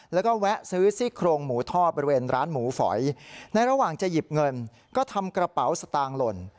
แล้วก็แวะซื้อซี่โครงหมูทอดบริเวณร้านหมูฝอยในระหว่างจะหยิบเงินก็ทำกระเป๋าสตางค์หล่น